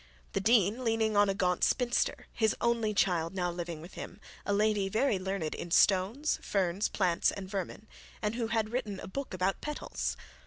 The dean leaning on a gaunt spinster, his only child now living with him, a lady very learned in stones, ferns, plants, and vermin, and who had written a book about petals.